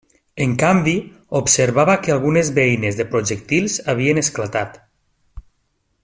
En canvi, observava que algunes beines de projectils havien esclatat.